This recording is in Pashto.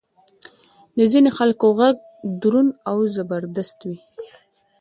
د ځینې خلکو ږغ دروند او زبردست وي.